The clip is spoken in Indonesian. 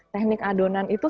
teknik adonan itu